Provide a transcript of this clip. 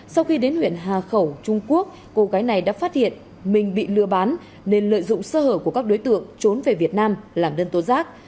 sau khi đến huyện hà khẩu trung quốc cô gái này đã phát hiện mình bị lừa bán nên lợi dụng sơ hở của các đối tượng trốn về việt nam làm đơn tố giác